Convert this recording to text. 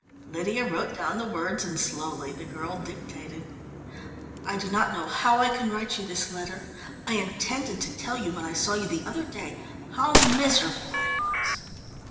Lydia wrote down the words and slowly the girl dictated. "_I do not know how I can write you this letter. I intended to tell you when I saw you the other day how miserable I was.